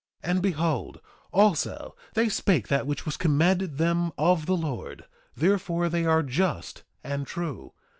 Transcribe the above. And behold, also, they spake that which was commanded them of the Lord; therefore, they are just and true.